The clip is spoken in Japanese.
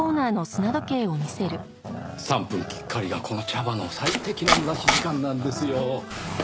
３分きっかりがこの茶葉の最適な蒸らし時間なんですよ。